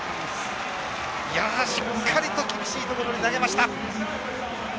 しっかりと厳しいところに投げました。